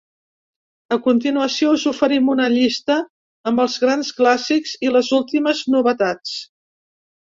A continuació, us oferim una llista amb els grans clàssics i les últimes novetats.